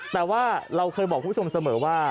แต่ว่าเราเคยบอกคุณผู้ชมเสมอว่า